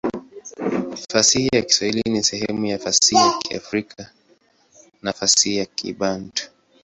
Fasihi ya Kiswahili ni sehemu ya fasihi ya Kiafrika na fasihi ya Kibantu.